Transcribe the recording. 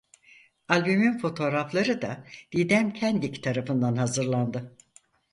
Albümün fotoğrafları da Didem Kendik tarafından hazırlandı.